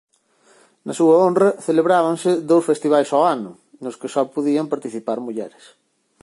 Na súa honra celebrábanse dous festivais ao ano, nos que só podían participar mulleres.